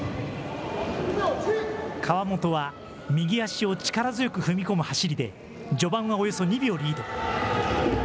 川本は右足を力強く踏み込む走りで、序盤はおよそ２秒リード。